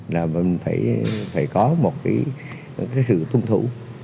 là phải có một cái sự tuân thủ